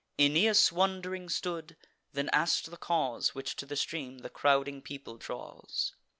Aeneas wond'ring stood, then ask'd the cause Which to the stream the crowding people draws.